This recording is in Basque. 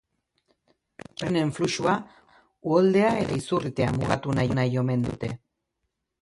Pertsonen fluxua, uholdea edota izurritea mugatu nahi omen dute.